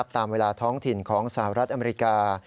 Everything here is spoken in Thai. ตามเวลาท้องถิ่นของสหรัฐอเมริกา